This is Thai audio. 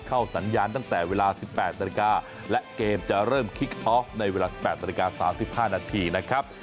สัญญาณตั้งแต่เวลา๑๘นาฬิกาและเกมจะเริ่มคิกออฟในเวลา๑๘นาฬิกา๓๕นาทีนะครับ